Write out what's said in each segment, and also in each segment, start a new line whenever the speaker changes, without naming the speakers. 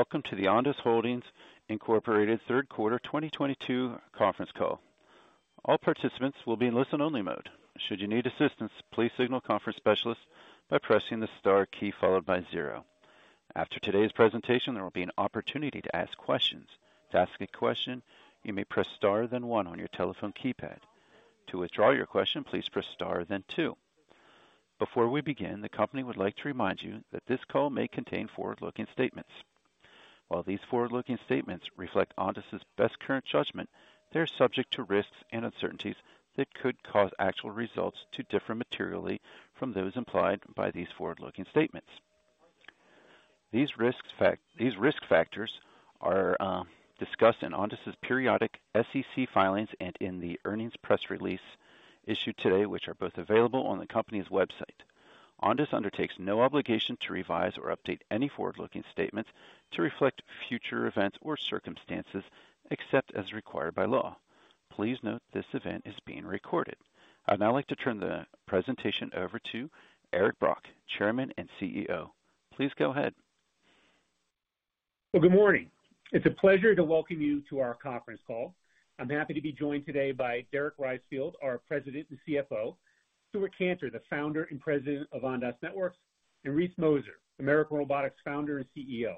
Welcome to the Ondas Holdings Inc. Third Quarter 2022 Conference Call. All participants will be in listen-only mode. Should you need assistance, please signal conference specialist by pressing the star key followed by zero. After today's presentation, there will be an opportunity to ask questions. To ask a question, you may press star then one on your telephone keypad. To withdraw your question, please press star then two. Before we begin, the company would like to remind you that this call may contain forward-looking statements. While these forward-looking statements reflect Ondas's best current judgment, they're subject to risks and uncertainties that could cause actual results to differ materially from those implied by these forward-looking statements. These risk factors are discussed in Ondas's periodic SEC filings and in the earnings press release issued today, which are both available on the company's website. Ondas undertakes no obligation to revise or update any forward-looking statements to reflect future events or circumstances, except as required by law. Please note this event is being recorded. I'd now like to turn the presentation over to Eric Brock, Chairman and CEO. Please go ahead.
Well, good morning. It's a pleasure to welcome you to our conference call. I'm happy to be joined today by Derek Reisfield, our President and CFO, Stewart Kantor, the Founder and President of Ondas Networks, and Reese Mozer, American Robotics Founder and CEO.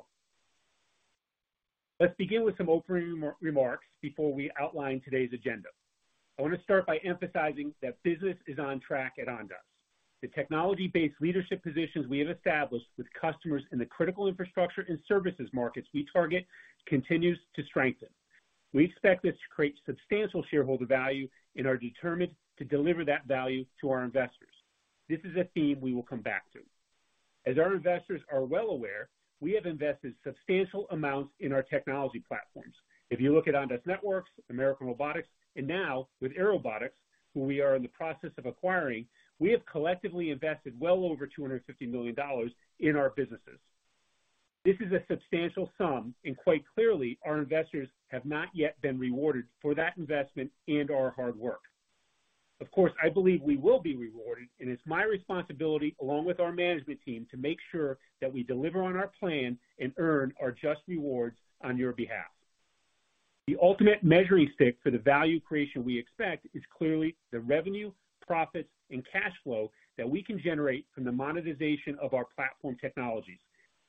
Let's begin with some opening remarks before we outline today's agenda. I wanna start by emphasizing that business is on track at Ondas. The technology-based leadership positions we have established with customers in the critical infrastructure and services markets we target continues to strengthen. We expect this to create substantial shareholder value and are determined to deliver that value to our investors. This is a theme we will come back to. As our investors are well aware, we have invested substantial amounts in our technology platforms. If you look at Ondas Networks, American Robotics, and now with Airobotics, who we are in the process of acquiring, we have collectively invested well over $250 million in our businesses. This is a substantial sum, and quite clearly our investors have not yet been rewarded for that investment and our hard work. Of course, I believe we will be rewarded, and it's my responsibility, along with our management team, to make sure that we deliver on our plan and earn our just rewards on your behalf. The ultimate measuring stick for the value creation we expect is clearly the revenue, profits, and cash flow that we can generate from the monetization of our platform technologies.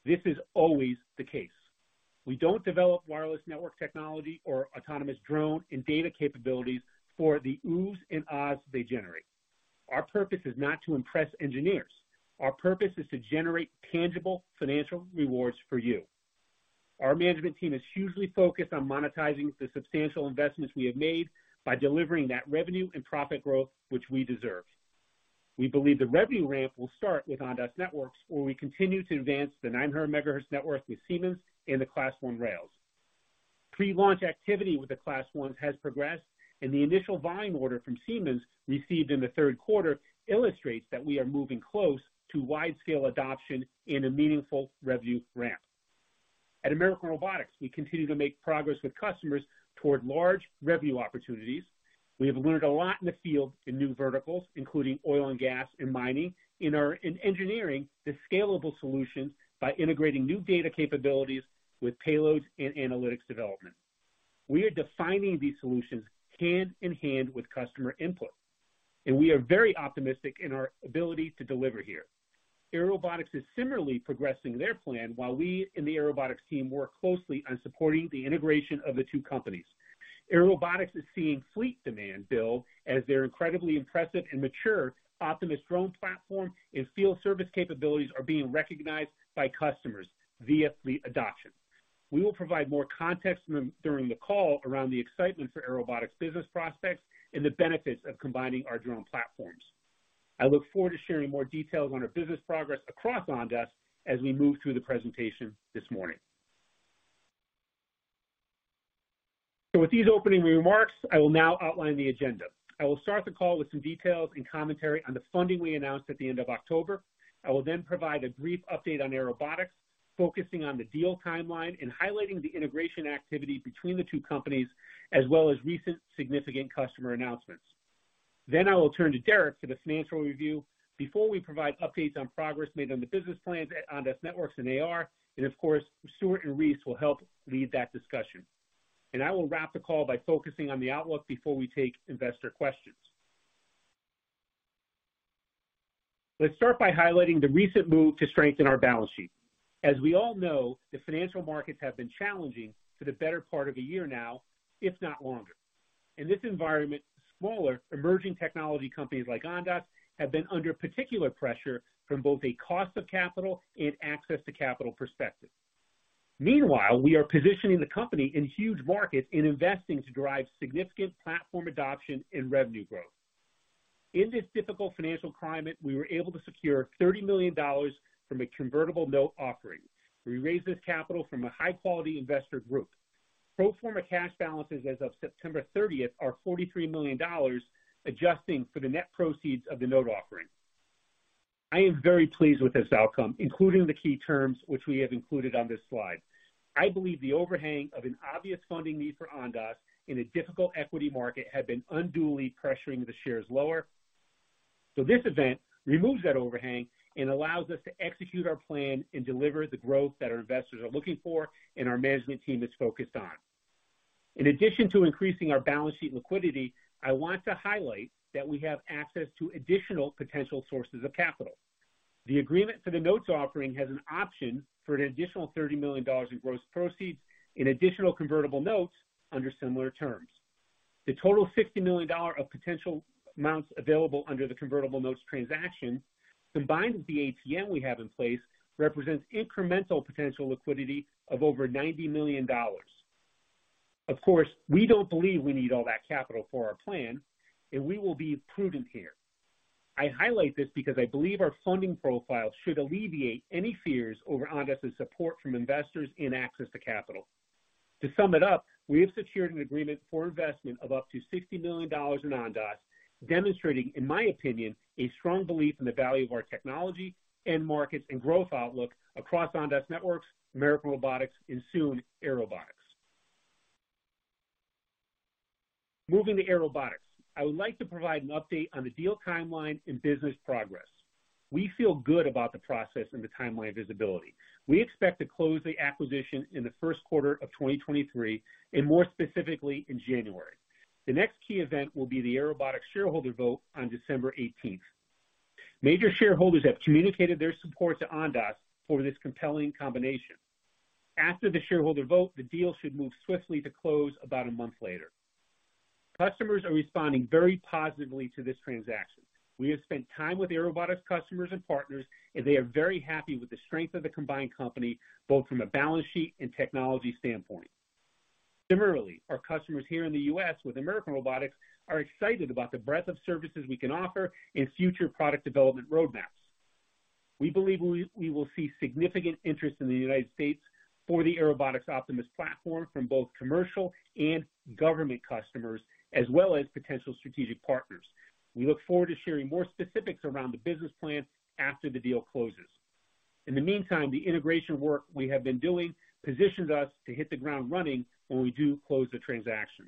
This is always the case. We don't develop wireless network technology or autonomous drone and data capabilities for the oohs and ahhs they generate. Our purpose is not to impress engineers. Our purpose is to generate tangible financial rewards for you. Our management team is hugely focused on monetizing the substantial investments we have made by delivering that revenue and profit growth which we deserve. We believe the revenue ramp will start with Ondas Networks, where we continue to advance the 900 MHz network with Siemens and the Class I railroads. Pre-launch activity with the Class I's has progressed, and the initial volume order from Siemens received in the third quarter illustrates that we are moving close to widescale adoption in a meaningful revenue ramp. At American Robotics, we continue to make progress with customers toward large revenue opportunities. We have learned a lot in the field in new verticals, including oil and gas and mining, and are engineering the scalable solutions by integrating new data capabilities with payloads and analytics development. We are defining these solutions hand in hand with customer input, and we are very optimistic in our ability to deliver here. Airobotics is similarly progressing their plan while we in the Airobotics team work closely on supporting the integration of the two companies. Airobotics is seeing fleet demand build as their incredibly impressive and mature Optimus drone platform and field service capabilities are being recognized by customers via fleet adoption. We will provide more context during the call around the excitement for Airobotics business prospects and the benefits of combining our drone platforms. I look forward to sharing more details on our business progress across Ondas as we move through the presentation this morning. With these opening remarks, I will now outline the agenda. I will start the call with some details and commentary on the funding we announced at the end of October. I will then provide a brief update on Airobotics, focusing on the deal timeline and highlighting the integration activity between the two companies, as well as recent significant customer announcements. I will turn to Derek for the financial review before we provide updates on progress made on the business plans at Ondas Networks and AR. Of course, Stewart and Reese will help lead that discussion. I will wrap the call by focusing on the outlook before we take investor questions. Let's start by highlighting the recent move to strengthen our balance sheet. As we all know, the financial markets have been challenging for the better part of a year now, if not longer. In this environment, smaller emerging technology companies like Ondas have been under particular pressure from both a cost of capital and access to capital perspective. Meanwhile, we are positioning the company in huge markets in investing to drive significant platform adoption and revenue growth. In this difficult financial climate, we were able to secure $30 million from a convertible note offering. We raised this capital from a high-quality investor group. Pro forma cash balances as of September thirtieth are $43 million, adjusting for the net proceeds of the note offering. I am very pleased with this outcome, including the key terms which we have included on this slide. I believe the overhang of an obvious funding need for Ondas in a difficult equity market had been unduly pressuring the shares lower. This event removes that overhang and allows us to execute our plan and deliver the growth that our investors are looking for and our management team is focused on. In addition to increasing our balance sheet liquidity, I want to highlight that we have access to additional potential sources of capital. The agreement for the notes offering has an option for an additional $30 million in gross proceeds in additional convertible notes under similar terms. The total $60 million of potential amounts available under the convertible notes transaction, combined with the ATM we have in place, represents incremental potential liquidity of over $90 million. Of course, we don't believe we need all that capital for our plan, and we will be prudent here. I highlight this because I believe our funding profile should alleviate any fears over Ondas' support from investors in access to capital. To sum it up, we have secured an agreement for investment of up to $60 million in Ondas, demonstrating, in my opinion, a strong belief in the value of our technology and markets and growth outlook across Ondas Networks, American Robotics, and soon, Airobotics. Moving to Airobotics. I would like to provide an update on the deal timeline and business progress. We feel good about the process and the timeline visibility. We expect to close the acquisition in the first quarter of 2023 and more specifically in January. The next key event will be the Airobotics shareholder vote on December 18th. Major shareholders have communicated their support to Ondas for this compelling combination. After the shareholder vote, the deal should move swiftly to close about a month later. Customers are responding very positively to this transaction. We have spent time with Airobotics customers and partners, and they are very happy with the strength of the combined company, both from a balance sheet and technology standpoint. Similarly, our customers here in the U.S. with American Robotics are excited about the breadth of services we can offer and future product development roadmaps. We believe we will see significant interest in the United States for the Airobotics Optimus platform from both commercial and government customers, as well as potential strategic partners. We look forward to sharing more specifics around the business plan after the deal closes. In the meantime, the integration work we have been doing positions us to hit the ground running when we do close the transaction.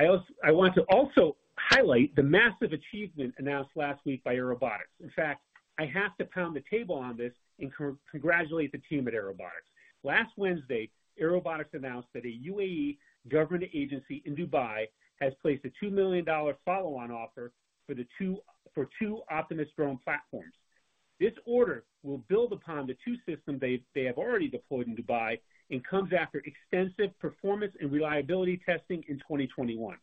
I want to also highlight the massive achievement announced last week by Airobotics. In fact, I have to pound the table on this and congratulate the team at Airobotics. Last Wednesday, Airobotics announced that a UAE government agency in Dubai has placed a $2 million follow-on offer for two Optimus drone platforms. This order will build upon the two systems they have already deployed in Dubai and comes after extensive performance and reliability testing in 2021.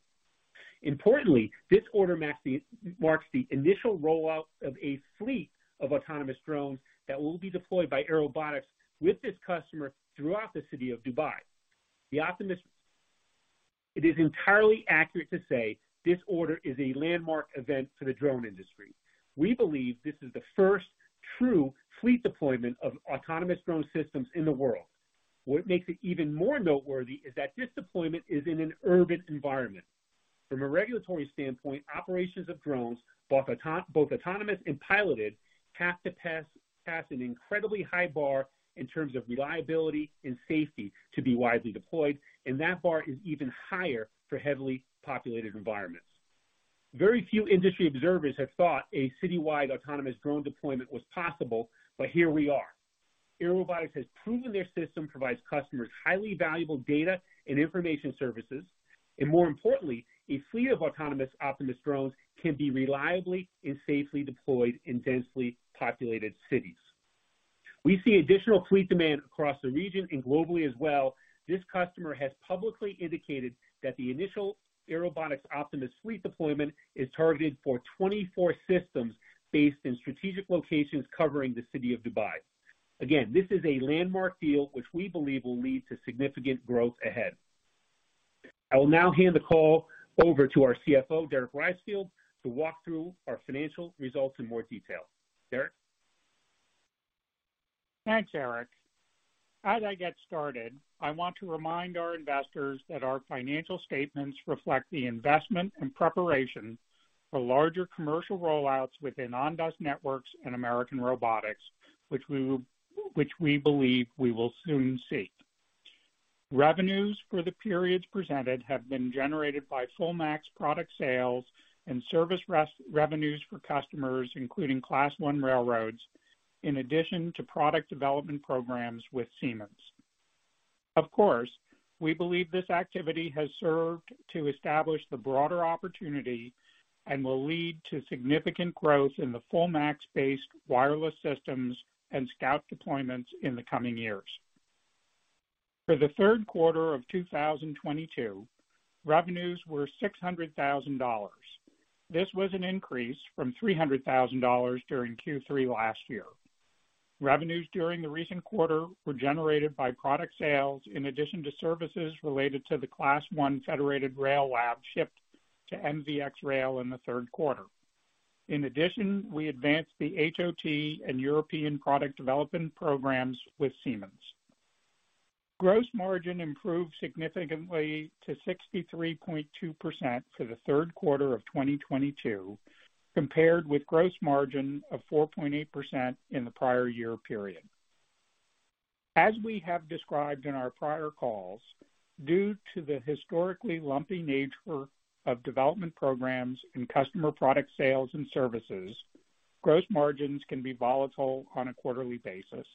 Importantly, this order marks the initial rollout of a fleet of autonomous drones that will be deployed by Airobotics with this customer throughout the city of Dubai. It is entirely accurate to say this order is a landmark event for the drone industry. We believe this is the first true fleet deployment of autonomous drone systems in the world. What makes it even more noteworthy is that this deployment is in an urban environment. From a regulatory standpoint, operations of drones, both autonomous and piloted, have to pass an incredibly high bar in terms of reliability and safety to be widely deployed, and that bar is even higher for heavily populated environments. Very few industry observers have thought a citywide autonomous drone deployment was possible, but here we are. Airobotics has proven their system provides customers highly valuable data and information services, and more importantly, a fleet of autonomous Optimus drones can be reliably and safely deployed in densely populated cities. We see additional fleet demand across the region and globally as well. This customer has publicly indicated that the initial Airobotics Optimus fleet deployment is targeted for 24 systems based in strategic locations covering the city of Dubai. Again, this is a landmark deal which we believe will lead to significant growth ahead. I will now hand the call over to our CFO, Derek Reisfield, to walk through our financial results in more detail. Derek?
Thanks, Eric. As I get started, I want to remind our investors that our financial statements reflect the investment and preparation for larger commercial rollouts within Ondas Networks and American Robotics, which we believe we will soon see. Revenues for the periods presented have been generated by FullMAX product sales and service revenues for customers, including Class One railroads, in addition to product development programs with Siemens. Of course, we believe this activity has served to establish the broader opportunity and will lead to significant growth in the FullMAX-based wireless systems and Scout deployments in the coming years. For the third quarter of 2022, revenues were $600,000. This was an increase from $300,000 during Q3 last year. Revenues during the recent quarter were generated by product sales in addition to services related to the Class One Federated Rail Lab shipped to MxV Rail in the third quarter. In addition, we advanced the HOT and European product development programs with Siemens. Gross margin improved significantly to 63.2% for the third quarter of 2022, compared with gross margin of 4.8% in the prior year period. As we have described in our prior calls, due to the historically lumpy nature of development programs and customer product sales and services, gross margins can be volatile on a quarterly basis.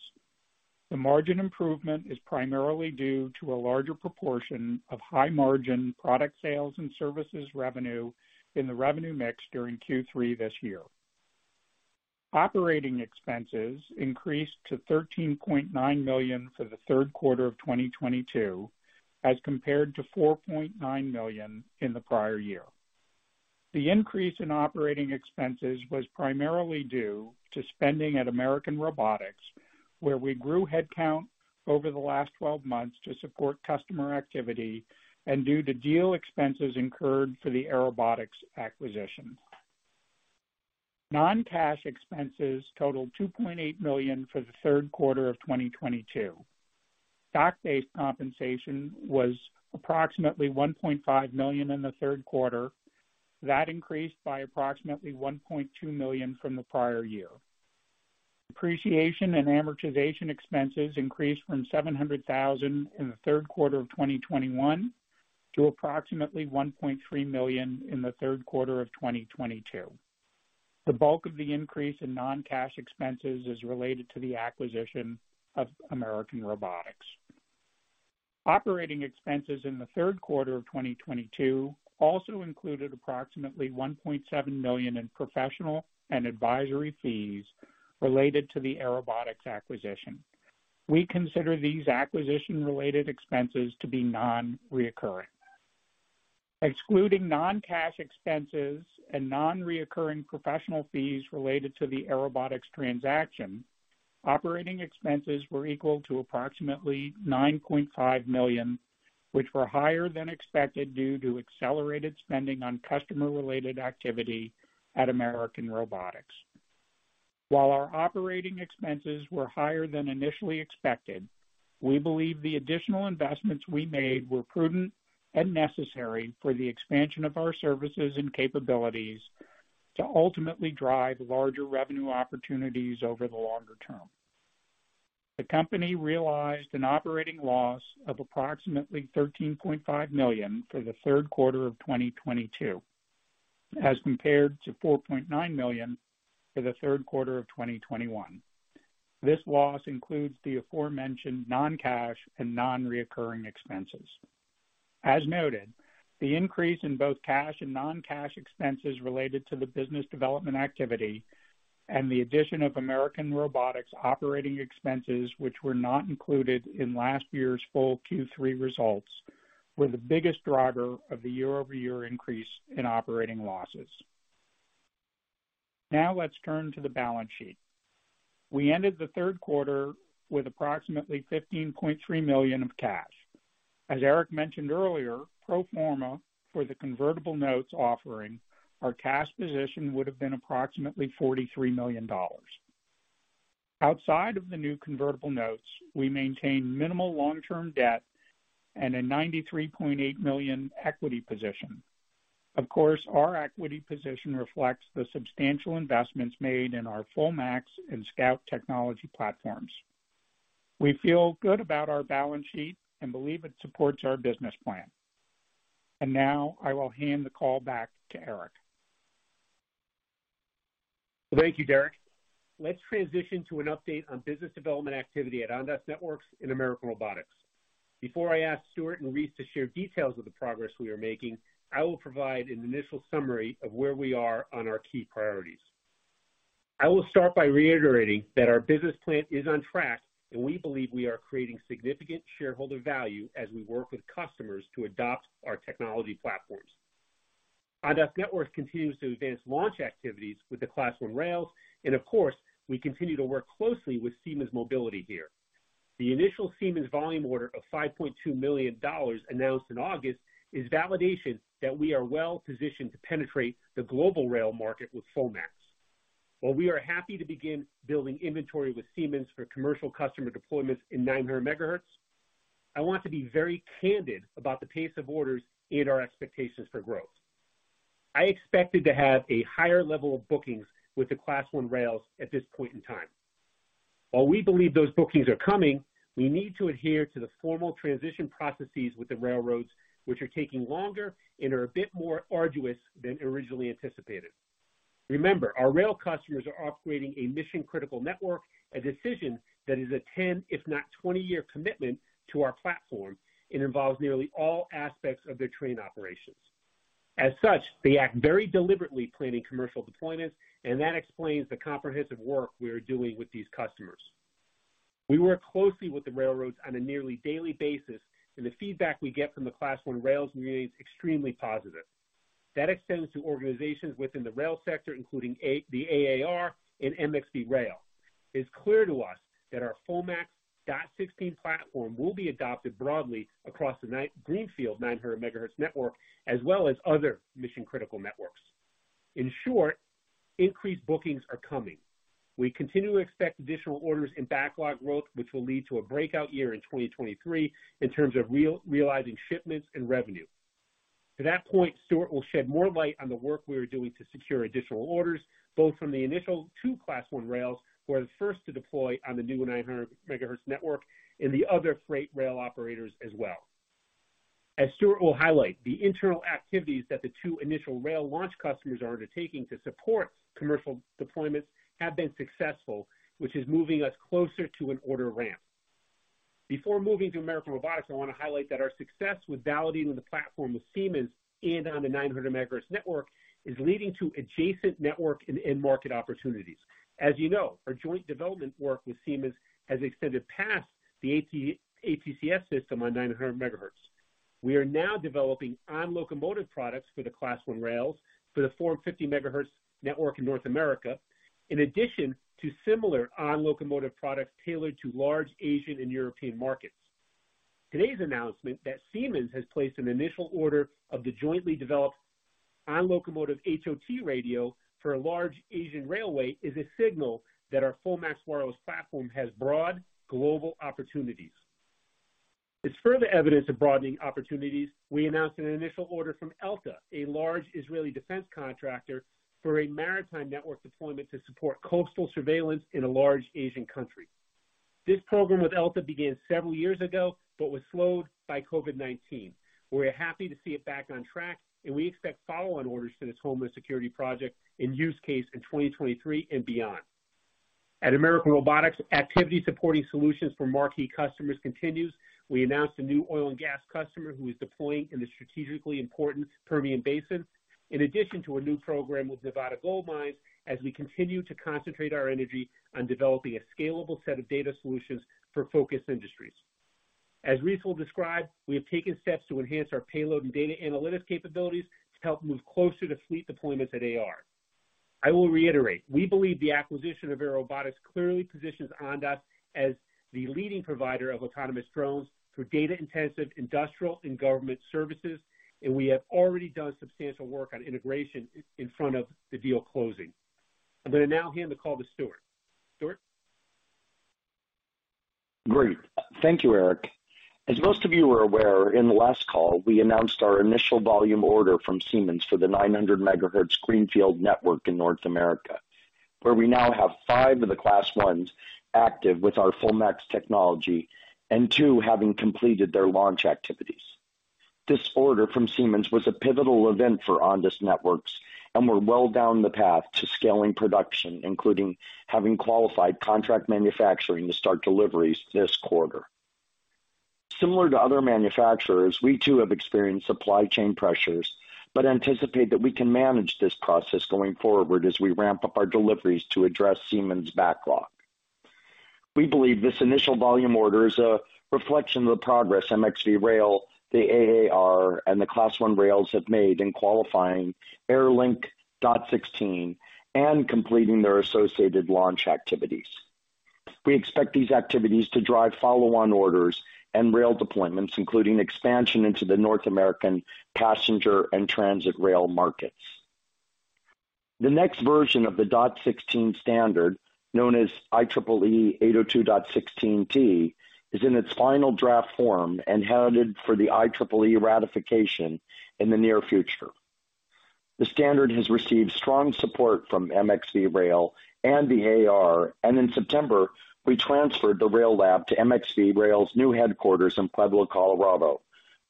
The margin improvement is primarily due to a larger proportion of high margin product sales and services revenue in the revenue mix during Q3 this year. Operating expenses increased to $13.9 million for the third quarter of 2022, as compared to $4.9 million in the prior year. The increase in operating expenses was primarily due to spending at American Robotics, where we grew headcount over the last 12 months to support customer activity and due to deal expenses incurred for the Airobotics acquisition. Non-cash expenses totaled $2.8 million for the third quarter of 2022. Stock-based compensation was approximately $1.5 million in the third quarter. That increased by approximately $1.2 million from the prior year. Depreciation and amortization expenses increased from $700,000 in the third quarter of 2021 to approximately $1.3 million in the third quarter of 2022. The bulk of the increase in non-cash expenses is related to the acquisition of American Robotics. Operating expenses in the third quarter of 2022 also included approximately $1.7 million in professional and advisory fees related to the Airobotics acquisition. We consider these acquisition-related expenses to be non-recurring. Excluding non-cash expenses and non-recurring professional fees related to the Airobotics transaction, operating expenses were equal to approximately $9.5 million, which were higher than expected due to accelerated spending on customer-related activity at American Robotics. While our operating expenses were higher than initially expected, we believe the additional investments we made were prudent and necessary for the expansion of our services and capabilities to ultimately drive larger revenue opportunities over the longer term. The company realized an operating loss of approximately $13.5 million for the third quarter of 2022, as compared to $4.9 million for the third quarter of 2021. This loss includes the aforementioned non-cash and non-recurring expenses. As noted, the increase in both cash and non-cash expenses related to the business development activity and the addition of American Robotics operating expenses, which were not included in last year's full Q3 results, were the biggest driver of the year-over-year increase in operating losses. Now let's turn to the balance sheet. We ended the third quarter with approximately $15.3 million of cash. As Eric mentioned earlier, pro forma for the convertible notes offering, our cash position would have been approximately $43 million. Outside of the new convertible notes, we maintain minimal long-term debt and a $93.8 million equity position. Of course, our equity position reflects the substantial investments made in our FullMAX and Scout technology platforms. We feel good about our balance sheet and believe it supports our business plan. Now I will hand the call back to Eric.
Thank you, Derek. Let's transition to an update on business development activity at Ondas Networks and American Robotics. Before I ask Stewart and Reese to share details of the progress we are making, I will provide an initial summary of where we are on our key priorities. I will start by reiterating that our business plan is on track, and we believe we are creating significant shareholder value as we work with customers to adopt our technology platforms. Ondas Networks continues to advance launch activities with the Class One rails, and of course, we continue to work closely with Siemens Mobility here. The initial Siemens volume order of $5.2 million announced in August is validation that we are well-positioned to penetrate the global rail market with FullMAX. While we are happy to begin building inventory with Siemens for commercial customer deployments in 900 MHz, I want to be very candid about the pace of orders and our expectations for growth. I expected to have a higher level of bookings with the Class One rails at this point in time. While we believe those bookings are coming, we need to adhere to the formal transition processes with the railroads, which are taking longer and are a bit more arduous than originally anticipated. Remember, our rail customers are operating a mission-critical network, a decision that is a 10-, if not 20-year commitment to our platform and involves nearly all aspects of their train operations. As such, they act very deliberately planning commercial deployments, and that explains the comprehensive work we are doing with these customers. We work closely with the railroads on a nearly daily basis, and the feedback we get from the Class I rails remains extremely positive. That extends to organizations within the rail sector, including the AAR and MxV Rail. It's clear to us that our FullMAX 802.16 platform will be adopted broadly across the Greenfield 900 MHz network as well as other mission-critical networks. In short, increased bookings are coming. We continue to expect additional orders and backlog growth, which will lead to a breakout year in 2023 in terms of realizing shipments and revenue. To that point, Stewart will shed more light on the work we are doing to secure additional orders, both from the initial two Class I rails who are the first to deploy on the new 900 MHz network and the other freight rail operators as well. As Stewart will highlight, the internal activities that the two initial rail launch customers are undertaking to support commercial deployments have been successful, which is moving us closer to an order ramp. Before moving to American Robotics, I want to highlight that our success with validating the platform with Siemens and on the 900 MHz network is leading to adjacent network and end market opportunities. As you know, our joint development work with Siemens has extended past the ATCS system on 900 MHz. We are now developing on-locomotive products for the Class 1 rails for the 450 MHz network in North America, in addition to similar on-locomotive products tailored to large Asian and European markets. Today's announcement that Siemens has placed an initial order of the jointly developed on-locomotive HOT radio for a large Asian railway is a signal that our FullMAX Wireless platform has broad global opportunities. As further evidence of broadening opportunities, we announced an initial order from Elta, a large Israeli defense contractor, for a maritime network deployment to support coastal surveillance in a large Asian country. This program with Elta began several years ago but was slowed by COVID-19. We're happy to see it back on track, and we expect follow-on orders for this homeland security project and use case in 2023 and beyond. At American Robotics, activity supporting solutions for marquee customers continues. We announced a new oil and gas customer who is deploying in the strategically important Permian Basin, in addition to a new program with Nevada Gold Mines, as we continue to concentrate our energy on developing a scalable set of data solutions for focus industries. As Reese will describe, we have taken steps to enhance our payload and data analytics capabilities to help move closer to fleet deployments at AR. I will reiterate, we believe the acquisition of Airobotics clearly positions Ondas as the leading provider of autonomous drones for data-intensive industrial and government services, and we have already done substantial work on integration in front of the deal closing. I'm going to now hand the call to Stewart. Stewart?
Great. Thank you, Eric. As most of you are aware, in the last call, we announced our initial volume order from Siemens for the 900 MHz greenfield network in North America, where we now have five of the Class ones active with our FullMAX technology and two having completed their launch activities. This order from Siemens was a pivotal event for Ondas Networks, and we're well down the path to scaling production, including having qualified contract manufacturing to start deliveries this quarter. Similar to other manufacturers, we too have experienced supply chain pressures but anticipate that we can manage this process going forward as we ramp up our deliveries to address Siemens' backlog. We believe this initial volume order is a reflection of the progress MxV Rail, the AAR, and the Class one rails have made in qualifying AirLink DOT-16 and completing their associated launch activities. We expect these activities to drive follow-on orders and rail deployments, including expansion into the North American passenger and transit rail markets. The next version of the DOT-16 standard, known as IEEE 802.16t, is in its final draft form and headed for the IEEE ratification in the near future. The standard has received strong support from MxV Rail and the AAR, and in September, we transferred the rail lab to MxV Rail's new headquarters in Pueblo, Colorado,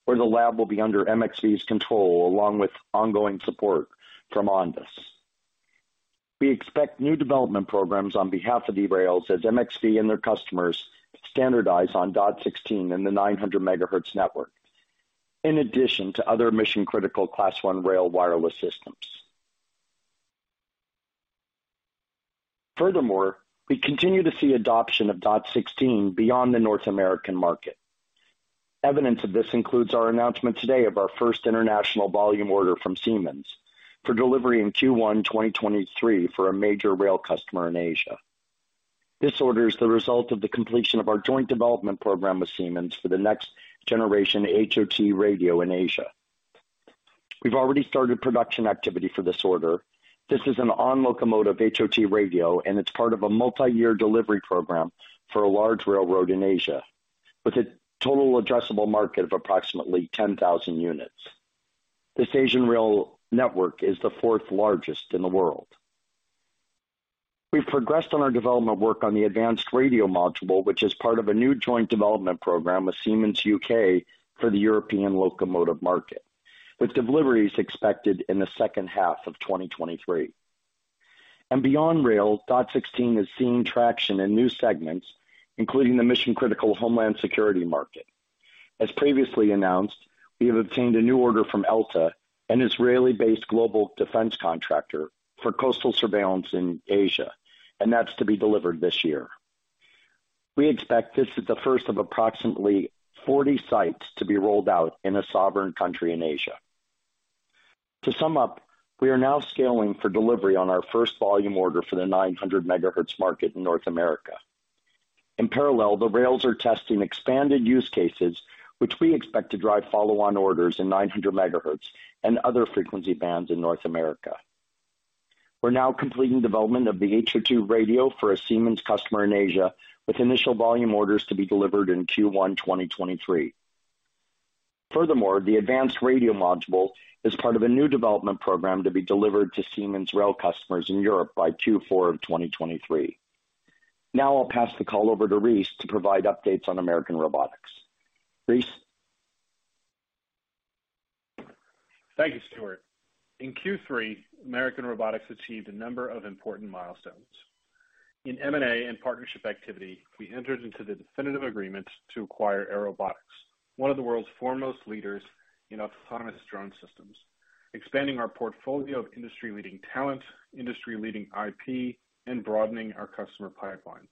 where the lab will be under MxV's control along with ongoing support from Ondas. We expect new development programs on behalf of the rails as MxV and their customers standardize on DOT-16 and the 900 MHz network, in addition to other mission-critical Class I rail wireless systems. Furthermore, we continue to see adoption of DOT-16 beyond the North American market. Evidence of this includes our announcement today of our first international volume order from Siemens for delivery in Q1 2023 for a major rail customer in Asia. This order is the result of the completion of our joint development program with Siemens for the next generation HOT radio in Asia. We've already started production activity for this order. This is an on-locomotive HOT radio, and it's part of a multi-year delivery program for a large railroad in Asia with a total addressable market of approximately 10,000 units. This Asian rail network is the fourth largest in the world. We've progressed on our development work on the Advanced Radio Module, which is part of a new joint development program with Siemens UK for the European locomotive market, with deliveries expected in the second half of 2023. Beyond rail, DOT-16 is seeing traction in new segments, including the mission-critical homeland security market. As previously announced, we have obtained a new order from Elta Systems, an Israeli-based global defense contractor, for coastal surveillance in Asia, and that's to be delivered this year. We expect this is the first of approximately 40 sites to be rolled out in a sovereign country in Asia. To sum up, we are now scaling for delivery on our first volume order for the 900 MHz market in North America. In parallel, the rails are testing expanded use cases, which we expect to drive follow-on orders in 900 MHz and other frequency bands in North America. We're now completing development of the HOT radio for a Siemens customer in Asia, with initial volume orders to be delivered in Q1 2023. Furthermore, the Advanced Radio Module is part of a new development program to be delivered to Siemens rail customers in Europe by Q4 of 2023. Now I'll pass the call over to Reese to provide updates on American Robotics. Reese?
Thank you, Stewart. In Q3, American Robotics achieved a number of important milestones. In M&A and partnership activity, we entered into the definitive agreement to acquire Airobotics, one of the world's foremost leaders in autonomous drone systems, expanding our portfolio of industry-leading talent, industry-leading IP, and broadening our customer pipeline.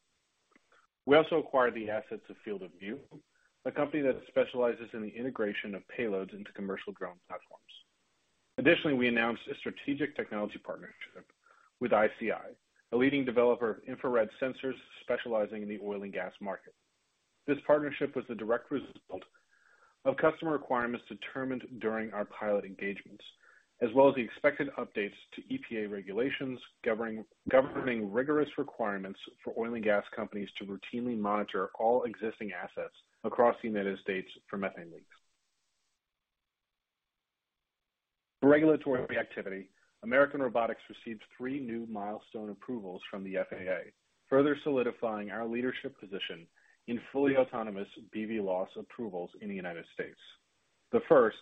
We also acquired the assets of Field of View, a company that specializes in the integration of payloads into commercial drone platforms. Additionally, we announced a strategic technology partnership with ICI, a leading developer of infrared sensors specializing in the oil and gas market. This partnership was a direct result of customer requirements determined during our pilot engagements, as well as the expected updates to EPA regulations governing rigorous requirements for oil and gas companies to routinely monitor all existing assets across the United States for methane leaks. For regulatory activity, American Robotics received three new milestone approvals from the FAA, further solidifying our leadership position in fully autonomous BVLOS approvals in the United States. The first,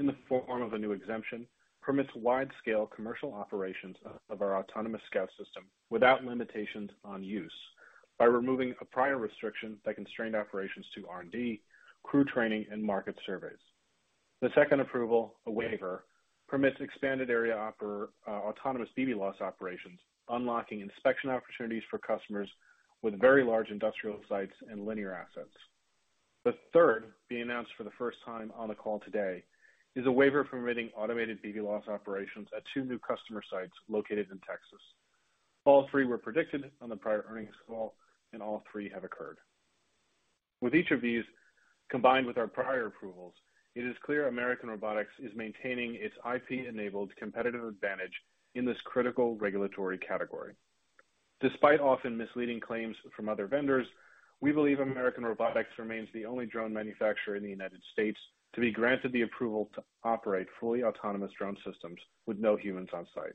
in the form of a new exemption, permits wide-scale commercial operations of our autonomous Scout System without limitations on use by removing a prior restriction that constrained operations to R&D, crew training, and market surveys. The second approval, a waiver, permits expanded area autonomous BVLOS operations, unlocking inspection opportunities for customers with very large industrial sites and linear assets. The third, being announced for the first time on the call today, is a waiver permitting automated BVLOS operations at two new customer sites located in Texas. All three were predicted on the prior earnings call, and all three have occurred. With each of these, combined with our prior approvals, it is clear American Robotics is maintaining its IP-enabled competitive advantage in this critical regulatory category. Despite often misleading claims from other vendors, we believe American Robotics remains the only drone manufacturer in the United States to be granted the approval to operate fully autonomous drone systems with no humans on site.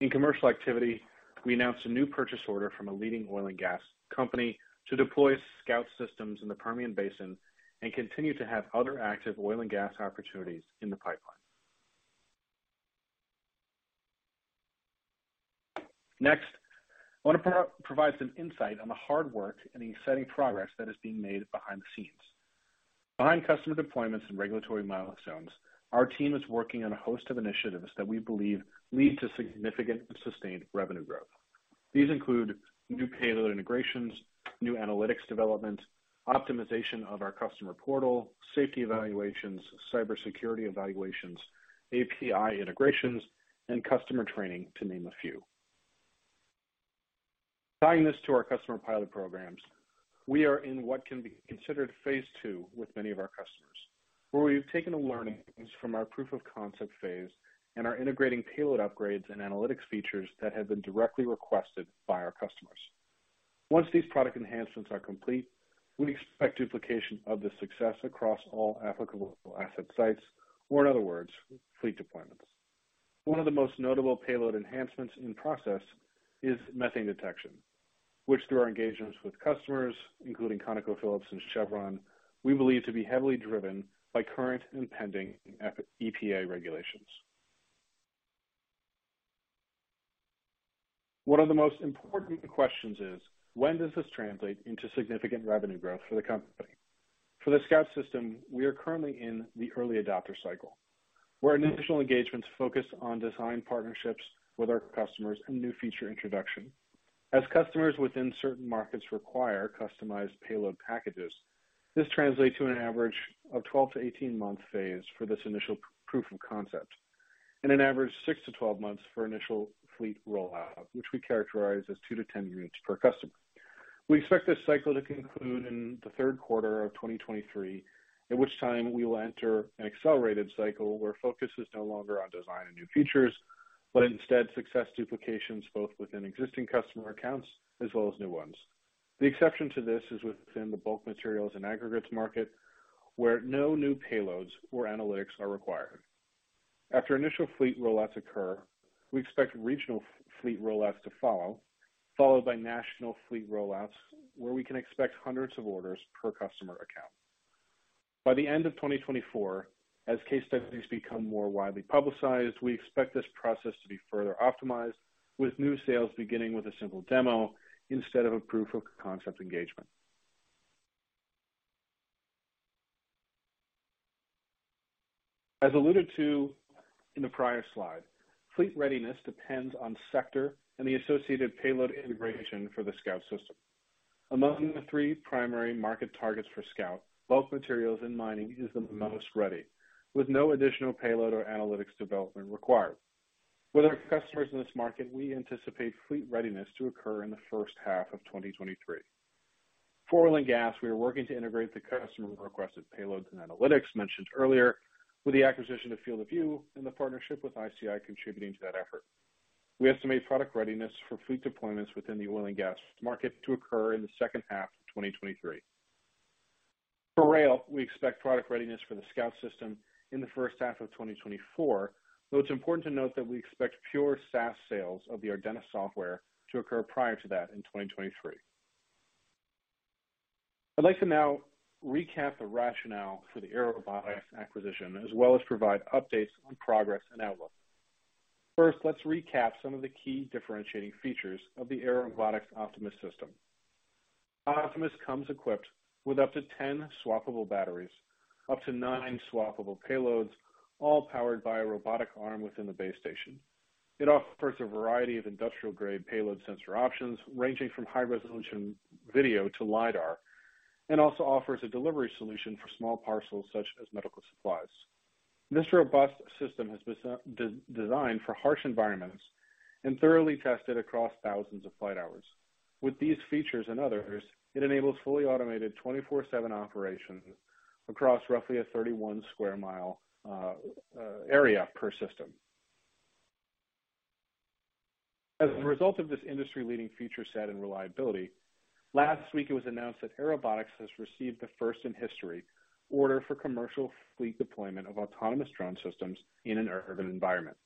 In commercial activity, we announced a new purchase order from a leading oil and gas company to deploy Scout systems in the Permian Basin and continue to have other active oil and gas opportunities in the pipeline. Next, I want to provide some insight on the hard work and exciting progress that is being made behind the scenes. Behind customer deployments and regulatory milestones, our team is working on a host of initiatives that we believe lead to significant and sustained revenue growth. These include new payload integrations, new analytics development, optimization of our customer portal, safety evaluations, cybersecurity evaluations, API integrations, and customer training, to name a few. Tying this to our customer pilot programs, we are in what can be considered phase two with many of our customers, where we've taken the learnings from our proof of concept phase and are integrating payload upgrades and analytics features that have been directly requested by our customers. Once these product enhancements are complete, we expect duplication of this success across all applicable asset sites, or in other words, fleet deployments. One of the most notable payload enhancements in process is methane detection, which through our engagements with customers, including ConocoPhillips and Chevron, we believe to be heavily driven by current and pending EPA regulations. One of the most important questions is when does this translate into significant revenue growth for the company? For the Scout System, we are currently in the early adopter cycle, where initial engagements focus on design partnerships with our customers and new feature introduction. As customers within certain markets require customized payload packages, this translates to an average of 12-18-month phase for this initial proof of concept and an average six to 12 months for initial fleet rollout, which we characterize as two to 10 units per customer. We expect this cycle to conclude in the third quarter of 2023, at which time we will enter an accelerated cycle where focus is no longer on design and new features, but instead successful duplications both within existing customer accounts as well as new ones. The exception to this is within the bulk materials and aggregates market, where no new payloads or analytics are required. After initial fleet rollouts occur, we expect regional fleet rollouts to follow, followed by national fleet rollouts, where we can expect hundreds of orders per customer account. By the end of 2024, as case studies become more widely publicized, we expect this process to be further optimized with new sales beginning with a simple demo instead of a proof of concept engagement. As alluded to in the prior slide, fleet readiness depends on sector and the associated payload integration for the Scout System. Among the three primary market targets for Scout, bulk materials and mining is the most ready, with no additional payload or analytics development required. With our customers in this market, we anticipate fleet readiness to occur in the first half of 2023. For oil and gas, we are working to integrate the customer requested payloads and analytics mentioned earlier with the acquisition of Field of View and the partnership with ICI contributing to that effort. We estimate product readiness for fleet deployments within the oil and gas market to occur in the second half of 2023. For rail, we expect product readiness for the Scout System in the first half of 2024, though it's important to note that we expect pure SaaS sales of the Ardenna software to occur prior to that in 2023. I'd like to now recap the rationale for the Airobotics acquisition, as well as provide updates on progress and outlook. First, let's recap some of the key differentiating features of the Airobotics Optimus System. Optimus comes equipped with up to 10 swappable batteries, up to nine swappable payloads, all powered by a robotic arm within the base station. It offers a variety of industrial grade payload sensor options, ranging from high resolution video to lidar, and also offers a delivery solution for small parcels such as medical supplies. This robust system has been designed for harsh environments and thoroughly tested across thousands of flight hours. With these features and others, it enables fully automated 24/7 operations across roughly a 31 sq mi area per system. As a result of this industry leading feature set and reliability, last week it was announced that Airobotics has received the first in history order for commercial fleet deployment of autonomous drone systems in an urban environment.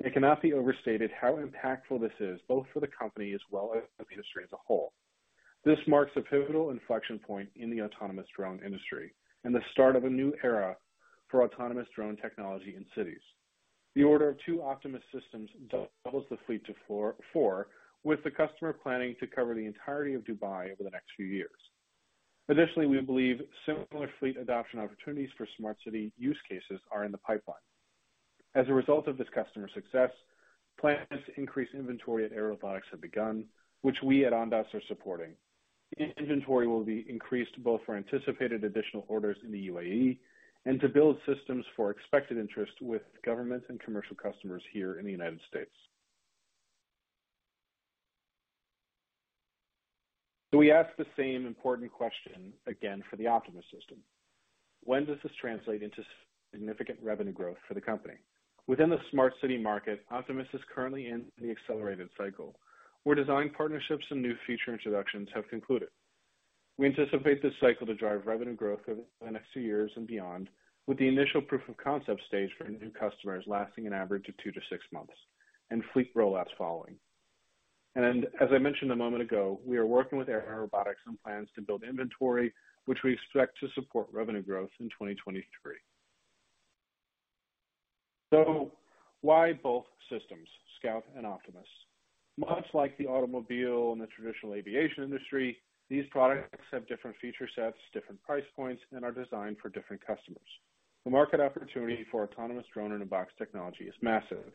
It cannot be overstated how impactful this is, both for the company as well as the industry as a whole. This marks a pivotal inflection point in the autonomous drone industry and the start of a new era for autonomous drone technology in cities. The order of two Optimus systems doubles the fleet to four, with the customer planning to cover the entirety of Dubai over the next few years. Additionally, we believe similar fleet adoption opportunities for smart city use cases are in the pipeline. As a result of this customer success, plans to increase inventory at Airobotics have begun, which we at Ondas are supporting. Inventory will be increased both for anticipated additional orders in the UAE and to build systems for expected interest with governments and commercial customers here in the United States. We ask the same important question again for the Optimus system: when does this translate into significant revenue growth for the company? Within the smart city market, Optimus is currently in the accelerated cycle, where design partnerships and new feature introductions have concluded. We anticipate this cycle to drive revenue growth over the next few years and beyond, with the initial proof of concept stage for new customers lasting an average of two to six months and fleet rollouts following. As I mentioned a moment ago, we are working with Airobotics on plans to build inventory, which we expect to support revenue growth in 2023. Why both systems, Scout and Optimus? Much like the automobile and the traditional aviation industry, these products have different feature sets, different price points, and are designed for different customers. The market opportunity for autonomous drone-in-a-box technology is massive,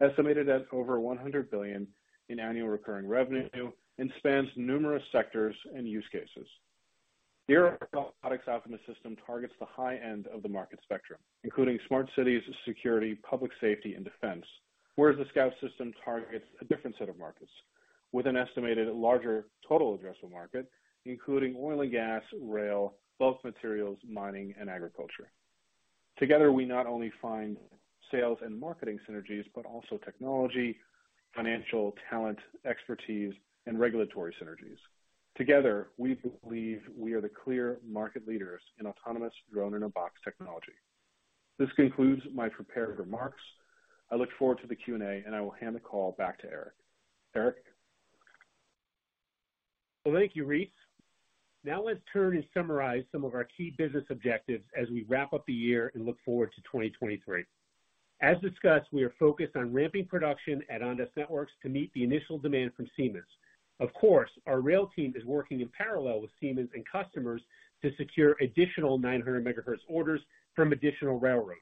estimated at over $100 billion in annual recurring revenue, and spans numerous sectors and use cases. The Airobotics Optimus System targets the high end of the market spectrum, including smart cities, security, public safety, and defense. Whereas the Scout System targets a different set of markets with an estimated larger total addressable market, including oil and gas, rail, bulk materials, mining, and agriculture. Together, we not only find sales and marketing synergies, but also technology, financial talent, expertise, and regulatory synergies. Together, we believe we are the clear market leaders in autonomous drone-in-a-box technology. This concludes my prepared remarks. I look forward to the Q&A, and I will hand the call back to Eric. Eric?
Well, thank you, Reese. Now let's turn and summarize some of our key business objectives as we wrap up the year and look forward to 2023. As discussed, we are focused on ramping production at Ondas Networks to meet the initial demand from Siemens. Of course, our rail team is working in parallel with Siemens and customers to secure additional 900 MHz orders from additional railroads.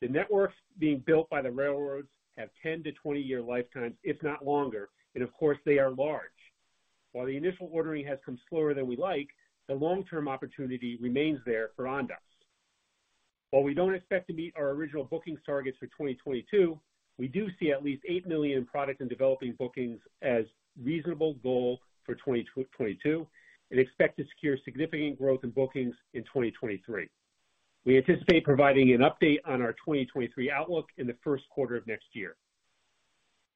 The networks being built by the railroads have 10- to 20-year lifetimes, if not longer, and of course, they are large. While the initial ordering has come slower than we like, the long-term opportunity remains there for Ondas. While we don't expect to meet our original booking targets for 2022, we do see at least $8 million in product and developing bookings as reasonable goal for 2022 and expect to secure significant growth in bookings in 2023. We anticipate providing an update on our 2023 outlook in the first quarter of next year.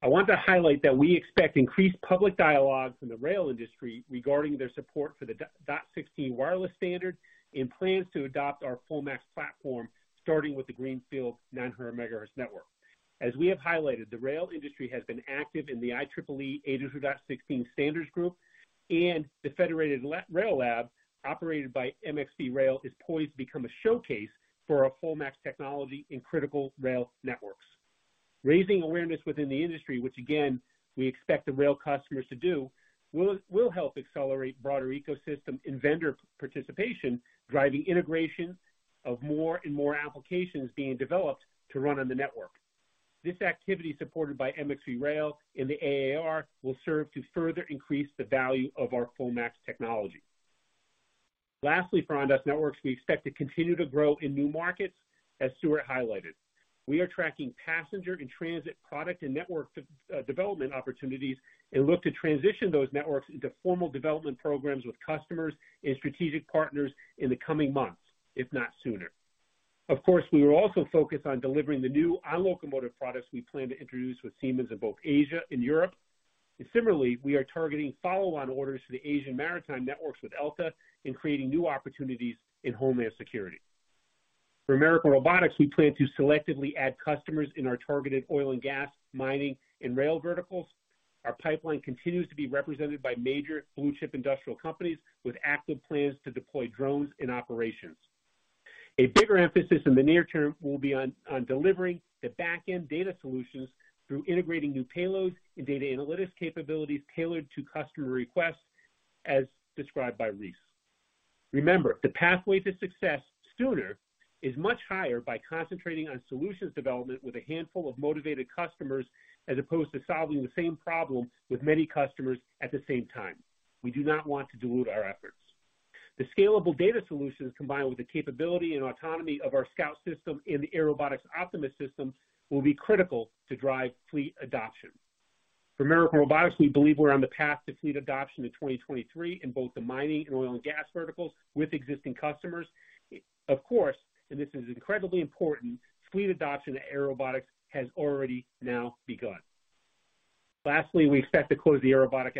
I want to highlight that we expect increased public dialogues in the rail industry regarding their support for the DOT-16 wireless standard and plans to adopt our FullMAX platform, starting with the Greenfield 900 MHz network. As we have highlighted, the rail industry has been active in the IEEE 802.16 standards group, and the Federated Rail Lab operated by MxV Rail is poised to become a showcase for our FullMAX technology in critical rail networks. Raising awareness within the industry, which again we expect the rail customers to do, will help accelerate broader ecosystem and vendor participation, driving integration of more and more applications being developed to run on the network. This activity, supported by MxV Rail and the AAR, will serve to further increase the value of our FullMAX technology. Lastly, for Ondas Networks, we expect to continue to grow in new markets, as Stewart highlighted. We are tracking passenger and transit product and network development opportunities and look to transition those networks into formal development programs with customers and strategic partners in the coming months, if not sooner. Of course, we are also focused on delivering the new on-locomotive products we plan to introduce with Siemens in both Asia and Europe. Similarly, we are targeting follow-on orders for the Asian maritime networks with Elta and creating new opportunities in homeland security. For American Robotics, we plan to selectively add customers in our targeted oil and gas, mining, and rail verticals. Our pipeline continues to be represented by major blue-chip industrial companies with active plans to deploy drones in operations. A bigger emphasis in the near term will be on delivering the back-end data solutions through integrating new payloads and data analytics capabilities tailored to customer requests, as described by Reese. Remember, the pathway to success sooner is much higher by concentrating on solutions development with a handful of motivated customers as opposed to solving the same problem with many customers at the same time. We do not want to dilute our efforts. The scalable data solutions, combined with the capability and autonomy of our Scout System and the Airobotics Optimus System, will be critical to drive fleet adoption. For American Robotics, we believe we're on the path to fleet adoption in 2023 in both the mining and oil and gas verticals with existing customers. Of course, this is incredibly important, fleet adoption at Airobotics has already now begun. Lastly, we expect to close the Airobotics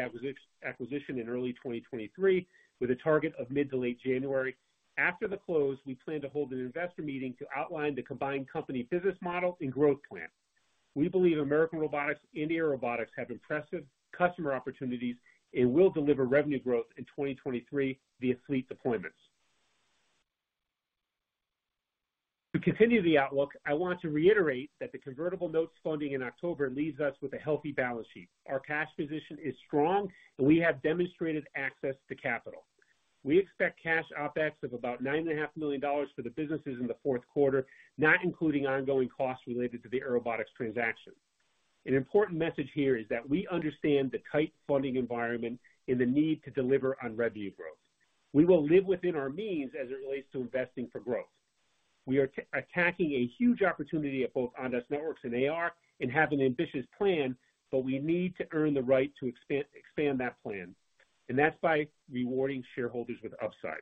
acquisition in early 2023 with a target of mid to late January. After the close, we plan to hold an investor meeting to outline the combined company business model and growth plan. We believe American Robotics and Airobotics have impressive customer opportunities and will deliver revenue growth in 2023 via fleet deployments. To continue the outlook, I want to reiterate that the convertible notes funding in October leaves us with a healthy balance sheet. Our cash position is strong, and we have demonstrated access to capital. We expect cash OpEx of about $9.5 million for the businesses in the fourth quarter, not including ongoing costs related to the Airobotics transaction. An important message here is that we understand the tight funding environment and the need to deliver on revenue growth. We will live within our means as it relates to investing for growth. We are attacking a huge opportunity at both Ondas Networks and AR and have an ambitious plan, but we need to earn the right to expand that plan, and that's by rewarding shareholders with upside.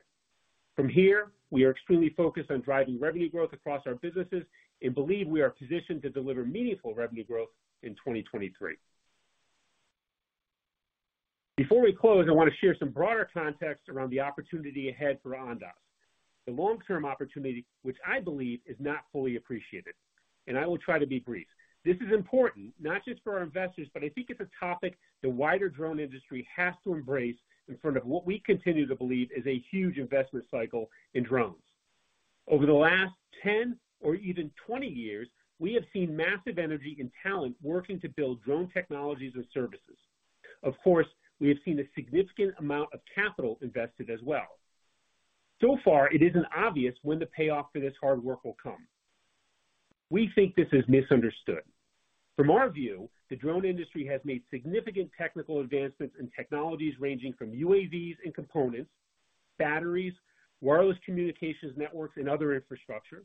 From here, we are extremely focused on driving revenue growth across our businesses and believe we are positioned to deliver meaningful revenue growth in 2023. Before we close, I wanna share some broader context around the opportunity ahead for Ondas, the long-term opportunity, which I believe is not fully appreciated, and I will try to be brief. This is important not just for our investors, but I think it's a topic the wider drone industry has to embrace in front of what we continue to believe is a huge investment cycle in drones. Over the last 10 or even 20 years, we have seen massive energy and talent working to build drone technologies and services. Of course, we have seen a significant amount of capital invested as well. So far, it isn't obvious when the payoff for this hard work will come. We think this is misunderstood. From our view, the drone industry has made significant technical advancements in technologies ranging from UAVs and components, batteries, wireless communications networks and other infrastructure,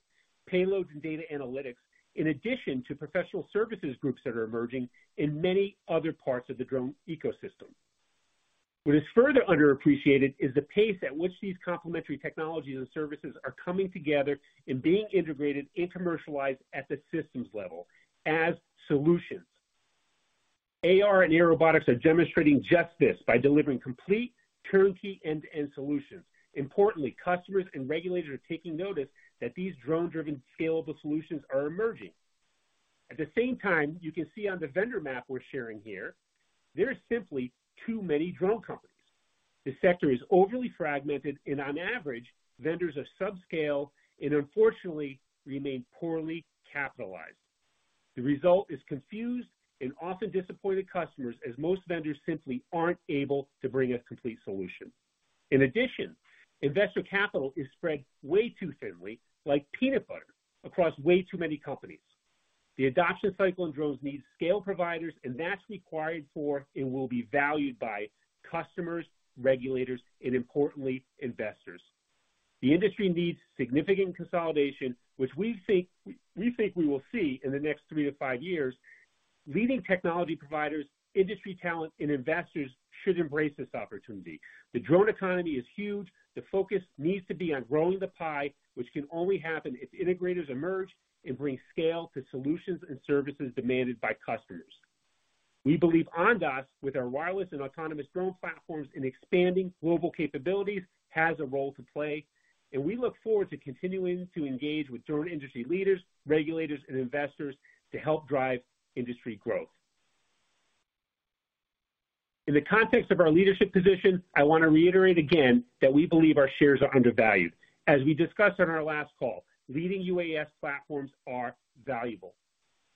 payloads and data analytics, in addition to professional services groups that are emerging in many other parts of the drone ecosystem. What is further underappreciated is the pace at which these complementary technologies and services are coming together and being integrated and commercialized at the systems level as solutions. AR and Airobotics are demonstrating just this by delivering complete turnkey end-to-end solutions. Importantly, customers and regulators are taking notice that these drone-driven scalable solutions are emerging. At the same time, you can see on the vendor map we're sharing here, there are simply too many drone companies. The sector is overly fragmented, and on average, vendors are subscale and unfortunately remain poorly capitalized. The result is confused and often disappointed customers, as most vendors simply aren't able to bring a complete solution. In addition, investor capital is spread way too thinly, like peanut butter, across way too many companies. The adoption cycle in drones needs scale providers, and that's required for and will be valued by customers, regulators, and importantly, investors. The industry needs significant consolidation, which we think we will see in the next three to five years. Leading technology providers, industry talent, and investors should embrace this opportunity. The drone economy is huge. The focus needs to be on growing the pie, which can only happen if integrators emerge and bring scale to solutions and services demanded by customers. We believe Ondas, with our wireless and autonomous drone platforms and expanding global capabilities, has a role to play, and we look forward to continuing to engage with drone industry leaders, regulators, and investors to help drive industry growth. In the context of our leadership position, I wanna reiterate again that we believe our shares are undervalued. As we discussed on our last call, leading UAS platforms are valuable.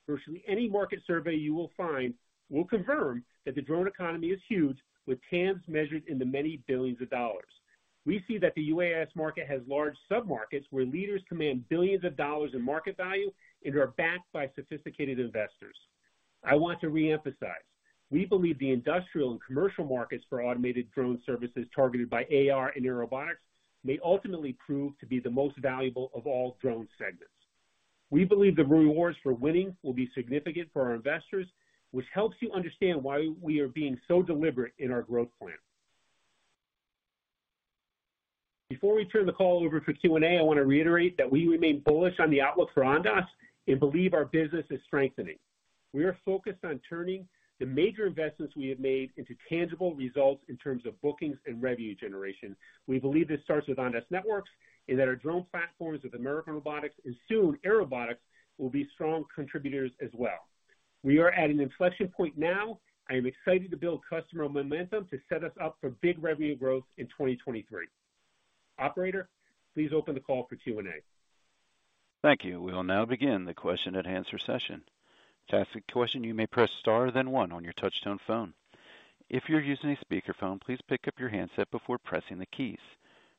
Virtually any market survey you will find will confirm that the drone economy is huge, with TAMs measured in the many $ billions. We see that the UAS market has large sub-markets where leaders command $ billions in market value and are backed by sophisticated investors. I want to reemphasize, we believe the industrial and commercial markets for automated drone services targeted by AR and Airobotics may ultimately prove to be the most valuable of all drone segments. We believe the rewards for winning will be significant for our investors, which helps you understand why we are being so deliberate in our growth plan. Before we turn the call over for Q&A, I want to reiterate that we remain bullish on the outlook for Ondas and believe our business is strengthening. We are focused on turning the major investments we have made into tangible results in terms of bookings and revenue generation. We believe this starts with Ondas Networks and that our drone platforms with American Robotics and soon Airobotics will be strong contributors as well. We are at an inflection point now. I am excited to build customer momentum to set us up for big revenue growth in 2023. Operator, please open the call for Q&A.
Thank you. We will now begin the question-and-answer session. To ask a question, you may press Star, then one on your touchtone phone. If you're using a speakerphone, please pick up your handset before pressing the keys.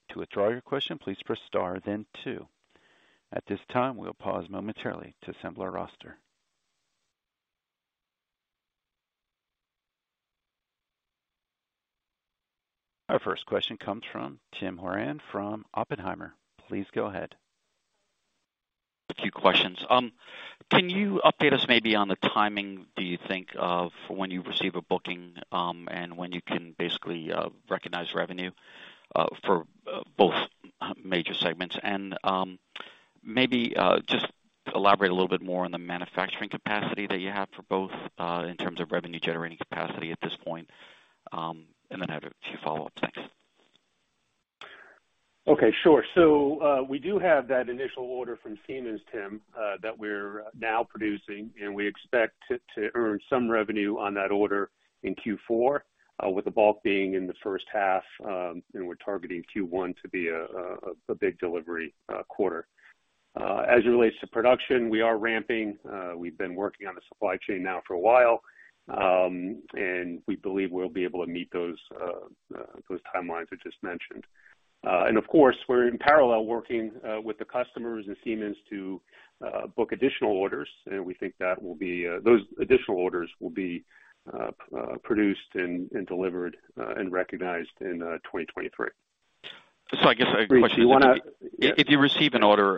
To withdraw your question, please press Star then two. At this time, we'll pause momentarily to assemble our roster. Our first question comes from Tim Horan from Oppenheimer. Please go ahead.
A few questions. Can you update us maybe on the timing, do you think, of when you receive a booking, and when you can basically recognize revenue for both major segments? Maybe just elaborate a little bit more on the manufacturing capacity that you have for both in terms of revenue generating capacity at this point. Then I have a few follow-ups. Thanks.
Okay, sure. We do have that initial order from Siemens, Tim, that we're now producing, and we expect to earn some revenue on that order in Q4, with the bulk being in the first half, and we're targeting Q1 to be a big delivery quarter. As it relates to production, we are ramping. We've been working on the supply chain now for a while, and we believe we'll be able to meet those timelines I just mentioned. Of course, we're in parallel working with the customers and Siemens to book additional orders, and we think those additional orders will be produced and delivered and recognized in 2023.
I guess a question.
Reese, you wanna-
If you receive an order,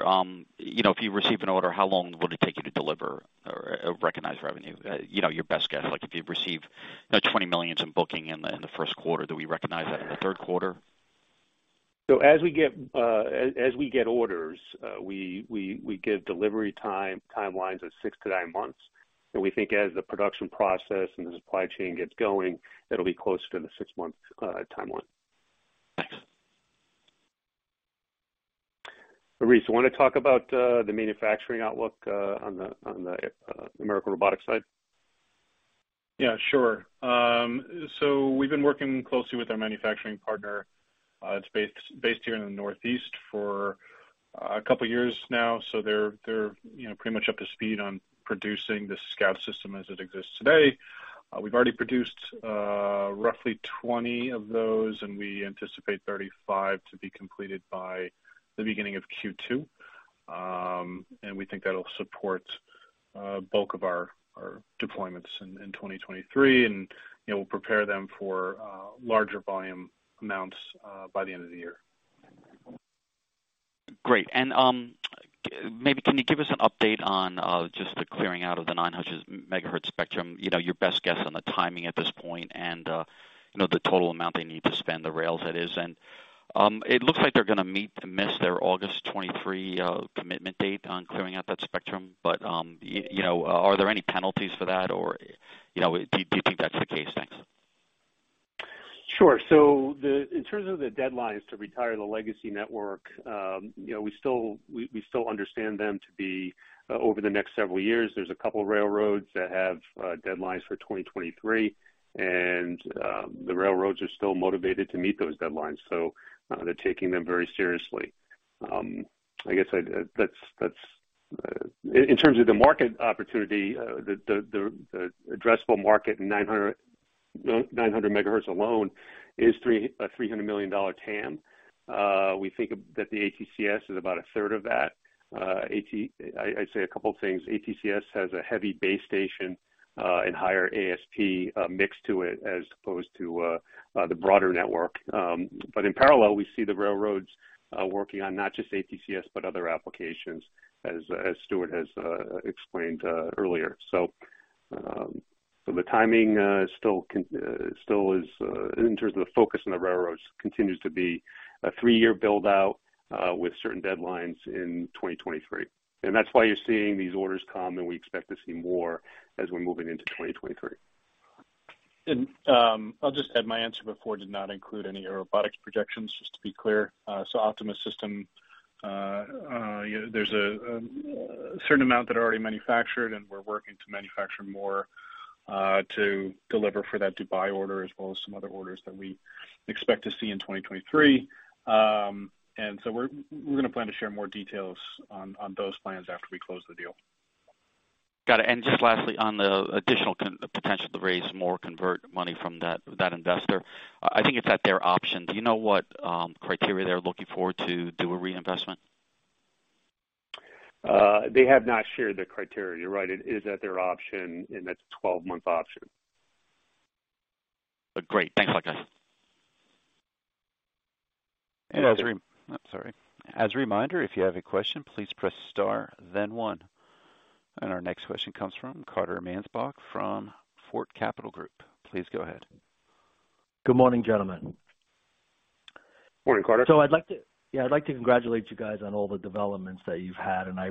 you know, how long would it take you to deliver or recognize revenue? You know, your best guess, like if you receive $20 million in bookings in the first quarter, do we recognize that in the third quarter?
As we get orders, we give delivery timelines of six to nine months. We think as the production process and the supply chain gets going, it'll be closer to the six-month timeline.
Thanks.
Reese, you wanna talk about the manufacturing outlook on the American Robotics side?
Yeah, sure. We've been working closely with our manufacturing partner, that's based here in the Northeast for a couple of years now. They're, you know, pretty much up to speed on producing the Scout System as it exists today. We've already produced roughly 20 of those, and we anticipate 35 to be completed by the beginning of Q2. We think that'll support bulk of our deployments in 2023, and, you know, we'll prepare them for larger volume amounts by the end of the year.
Great. Maybe can you give us an update on just the clearing out of the 900 MHz spectrum, you know, your best guess on the timing at this point and, you know, the total amount they need to spend, the rails that is. It looks like they're gonna miss their August 2023 commitment date on clearing out that spectrum. You know, are there any penalties for that? Or, you know, do you think that's the case? Thanks.
Sure. In terms of the deadlines to retire the legacy network, you know, we still understand them to be over the next several years. There's a couple of railroads that have deadlines for 2023, and the railroads are still motivated to meet those deadlines, they're taking them very seriously. In terms of the market opportunity, the addressable market in 900 MHz alone is $300 million TAM. We think that the ATCS is about a third of that. I'd say a couple of things. ATCS has a heavy base station and higher ASP mix to it as opposed to the broader network. In parallel, we see the railroads working on not just ATCS but other applications, as Stewart has explained earlier. The timing still is, in terms of the focus on the railroads, continues to be a three-year build-out with certain deadlines in 2023. That's why you're seeing these orders come, and we expect to see more as we're moving into 2023.
I'll just add, my answer before did not include any Airobotics projections, just to be clear. Optimus System, you know, there's a certain amount that are already manufactured, and we're working to manufacture more, to deliver for that Dubai order as well as some other orders that we expect to see in 2023. We're gonna plan to share more details on those plans after we close the deal.
Got it. Just lastly, on the additional potential to raise more convertible money from that investor, I think it's at their option. Do you know what criteria they're looking for to do a reinvestment?
They have not shared the criteria. You're right, it is at their option and that's a 12-month option.
Great. Thanks, Marcus.
I'm sorry. As a reminder, if you have a question, please press star, then one. Our next question comes from Carter Mansbach from Forte Capital Group. Please go ahead.
Good morning, gentlemen.
Morning, Carter.
I'd like to congratulate you guys on all the developments that you've had, and I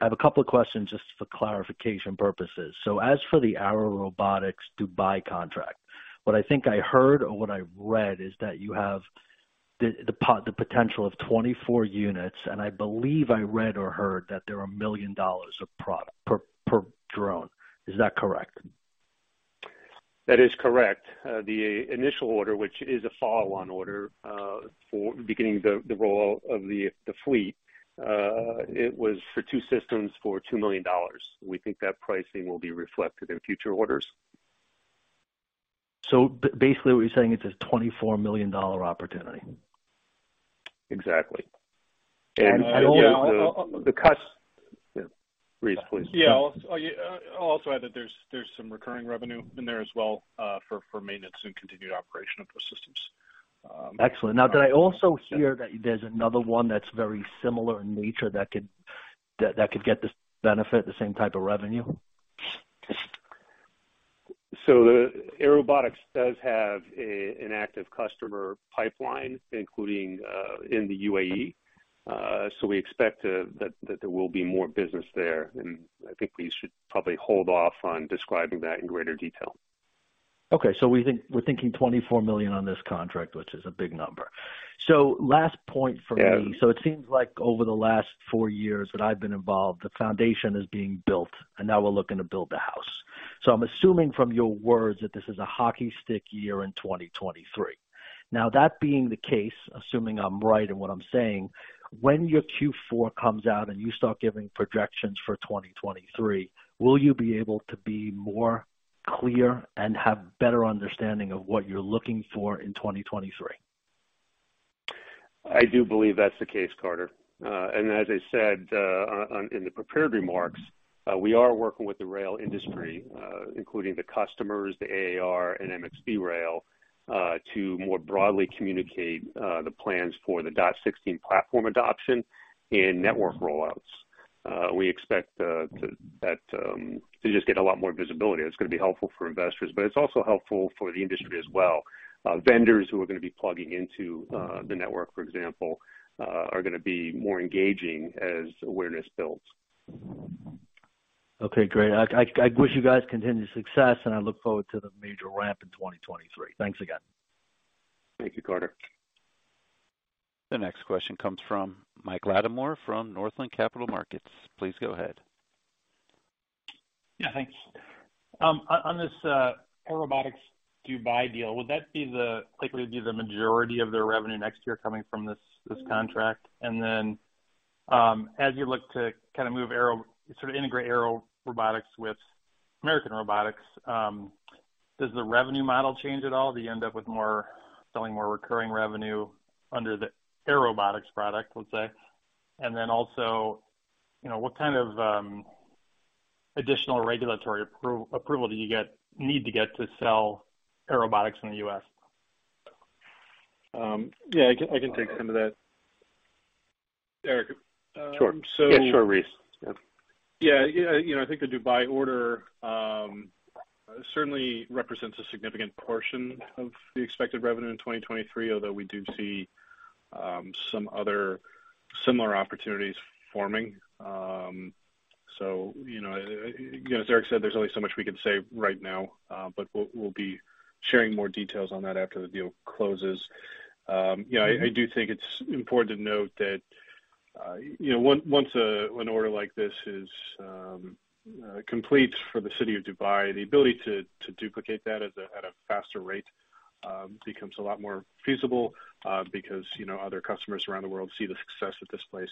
have a couple of questions just for clarification purposes. As for the Airobotics Dubai contract, what I think I heard or what I've read is that you have the potential of 24 units, and I believe I read or heard that there are $1 million of product per drone. Is that correct?
That is correct. The initial order, which is a follow-on order, for beginning the rollout of the fleet, it was for two systems for $2 million. We think that pricing will be reflected in future orders.
Basically what you're saying, it's a $24 million opportunity.
Exactly.
And
Reese, please.
Yeah. I'll also add that there's some recurring revenue in there as well, for maintenance and continued operation of those systems.
Excellent. Now, did I also hear that there's another one that's very similar in nature that could get this benefit, the same type of revenue?
The Airobotics does have an active customer pipeline, including in the UAE. We expect that there will be more business there, and I think we should probably hold off on describing that in greater detail.
We're thinking $24 million on this contract, which is a big number. Last point for me.
Yeah.
It seems like over the last four years that I've been involved, the foundation is being built, and now we're looking to build the house. I'm assuming from your words that this is a hockey stick year in 2023. Now that being the case, assuming I'm right in what I'm saying, when your Q4 comes out and you start giving projections for 2023, will you be able to be more clear and have better understanding of what you're looking for in 2023?
I do believe that's the case, Carter. As I said, in the prepared remarks, we are working with the rail industry, including the customers, the AAR and MxV Rail, to more broadly communicate the plans for the DOT-16 platform adoption in network rollouts. We expect to just get a lot more visibility. It's gonna be helpful for investors, but it's also helpful for the industry as well. Vendors who are gonna be plugging into the network, for example, are gonna be more engaging as awareness builds.
Okay, great. I wish you guys continued success, and I look forward to the major ramp in 2023. Thanks again.
Thank you, Carter.
The next question comes from Mike Latimore from Northland Capital Markets. Please go ahead.
Yeah, thanks. On this Airobotics Dubai deal, would that be likely to be the majority of their revenue next year coming from this contract? As you look to kind of move sort of integrate Airobotics with American Robotics, does the revenue model change at all? Do you end up with selling more recurring revenue under the Airobotics product, let's say? You know, what kind of additional regulatory approval do you need to get to sell Airobotics in the U.S.?
Yeah, I can take some of that. Eric,
Sure. Yeah, sure, Reese. Yeah.
Yeah. You know, I think the Dubai order certainly represents a significant portion of the expected revenue in 2023, although we do see some other similar opportunities forming. You know, as Eric said, there's only so much we can say right now, but we'll be sharing more details on that after the deal closes. You know, I do think it's important to note that, you know, once an order like this is complete for the city of Dubai, the ability to duplicate that at a faster rate becomes a lot more feasible, because you know, other customers around the world see the success at this place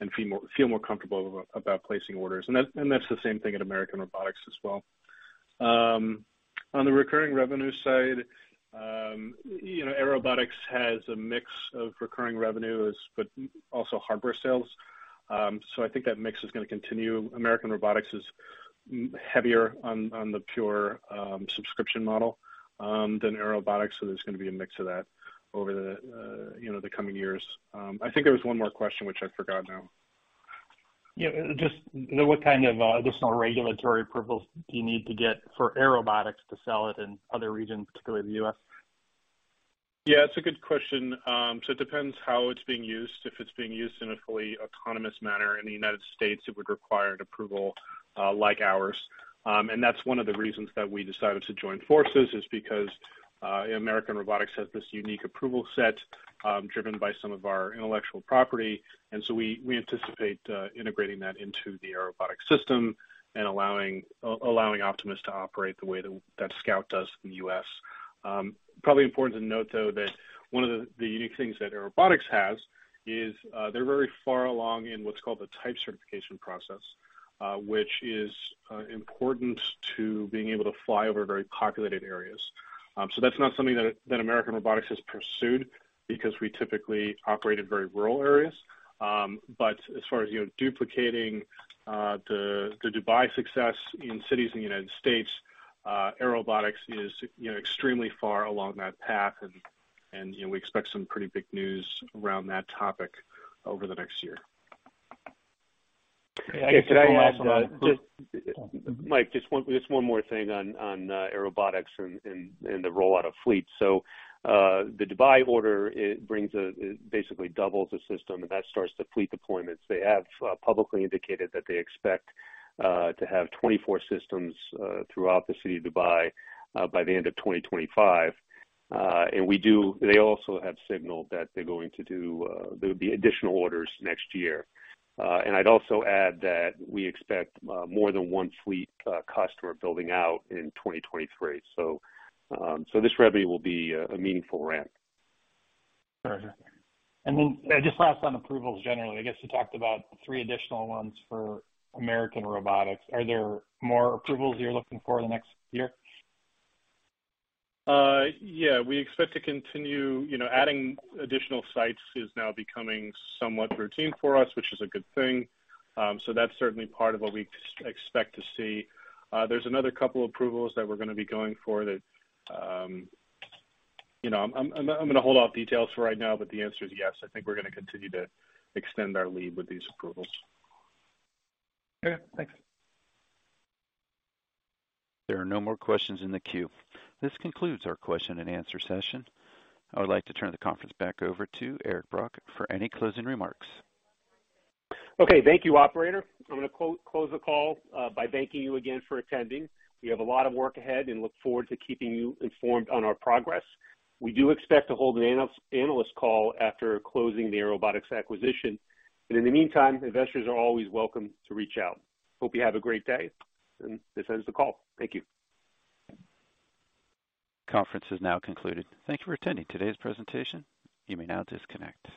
and feel more comfortable about placing orders. That's the same thing at American Robotics as well. On the recurring revenue side, you know, Airobotics has a mix of recurring revenues, but also hardware sales. So I think that mix is gonna continue. American Robotics is heavier on the pure subscription model than Airobotics. So there's gonna be a mix of that over the, you know, the coming years. I think there was one more question which I forgot now.
Yeah. Just what kind of additional regulatory approvals do you need to get for Airobotics to sell it in other regions, particularly the U.S.?
Yeah, it's a good question. It depends how it's being used. If it's being used in a fully autonomous manner in the United States, it would require an approval like ours. That's one of the reasons that we decided to join forces, is because American Robotics has this unique approval set, driven by some of our intellectual property. We anticipate integrating that into the Airobotics system and allowing Optimus to operate the way that Scout does in the U.S. It's probably important to note, though, that one of the unique things that Airobotics has is they're very far along in what's called the type certification process, which is important to being able to fly over very populated areas. That's not something that American Robotics has pursued because we typically operate in very rural areas. As far as, you know, duplicating the Dubai success in cities in the United States, Airobotics is, you know, extremely far along that path. You know, we expect some pretty big news around that topic over the next year.
Can I ask just Mike, just one more thing on Airobotics and the rollout of fleet. The Dubai order, it brings, it basically doubles the system, and that starts the fleet deployments. They have publicly indicated that they expect to have 24 systems throughout the city of Dubai by the end of 2025. They also have signaled that they're going to do, there'll be additional orders next year. I'd also add that we expect more than one fleet customer building out in 2023. This revenue will be a meaningful ramp.
All right. Just last on approvals generally. I guess you talked about three additional ones for American Robotics. Are there more approvals you're looking for in the next year?
Yeah, we expect to continue. You know, adding additional sites is now becoming somewhat routine for us, which is a good thing. That's certainly part of what we expect to see. There's another couple approvals that we're gonna be going for that. You know, I'm gonna hold off on details for right now, but the answer is yes. I think we're gonna continue to extend our lead with these approvals.
Okay, thanks.
There are no more questions in the queue. This concludes our question and answer session. I would like to turn the conference back over to Eric Brock for any closing remarks.
Okay. Thank you, operator. I'm gonna close the call by thanking you again for attending. We have a lot of work ahead and look forward to keeping you informed on our progress. We do expect to hold an analyst call after closing the Airobotics acquisition. In the meantime, investors are always welcome to reach out. Hope you have a great day, and this ends the call. Thank you.
Conference is now concluded. Thank you for attending today's presentation. You may now disconnect.